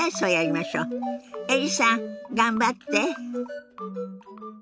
エリさん頑張って。